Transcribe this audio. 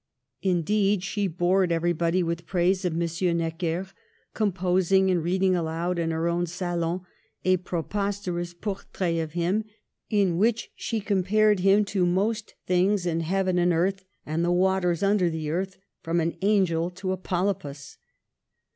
Indeed, she bored everybody with praise of M. Necker, composing and reading aloud in her own salon a preposterous portrait of him, in which she compared him to most things in heaven and earth and the waters under the earth, from an angel to a polypus.